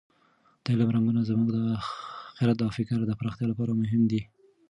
د علم رنګونه زموږ د خرد او فکر د پراختیا لپاره مهم دي.